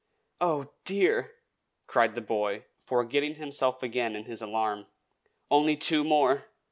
"Oh, dear!" cried the boy, forgetting himself again in his alarm, "only two more!